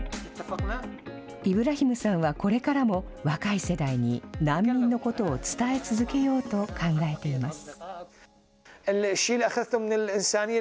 イブラヒムさんはこれからも若い世代に難民のことを伝え続けようと考えています。